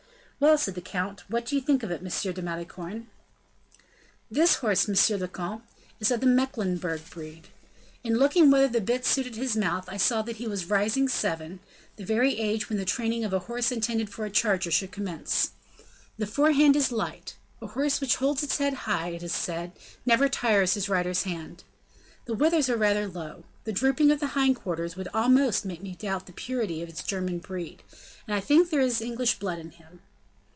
"Well," said the count, "what do you think of it, M. de Malicorne?" "This horse, monsieur le comte, is of the Mecklenburg breed. In looking whether the bit suited his mouth, I saw that he was rising seven, the very age when the training of a horse intended for a charger should commence. The forehand is light. A horse which holds its head high, it is said, never tires his rider's hand. The withers are rather low. The drooping of the hind quarters would almost make me doubt the purity of its German breed, and I think there is English blood in him.